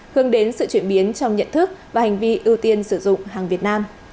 hướng đến sự chuyển biến trong nhận thức và hành vi ưu tiên sử dụng hàng việt nam